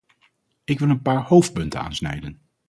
Ik wil een paar hoofdpunten aansnijden.